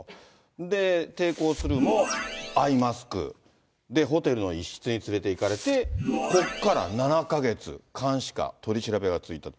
で、抵抗するも、アイマスク、ホテルの一室に連れていかれて、ここから７か月監視下、取り調べが続いた。